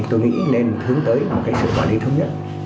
tôi nghĩ nên hướng tới một cái sự quản lý thống nhất